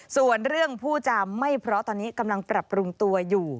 ส่วนเรื่องผู้จำไม่เพราะตอนนี้กำลังปรับปรุงตัวอยู่